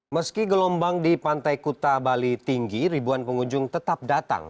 meski gelombang di pantai kuta bali tinggi ribuan pengunjung tetap datang